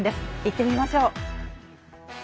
行ってみましょう。